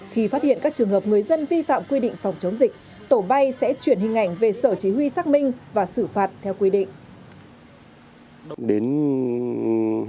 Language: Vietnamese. khi phát hiện các trường hợp người dân vi phạm quy định phòng chống dịch tổ bay sẽ chuyển hình ảnh về sở chỉ huy xác minh và xử phạt theo quy định